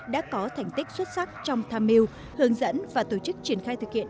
đã có thành tích xuất sắc trong tham mưu hướng dẫn và tổ chức triển khai thực hiện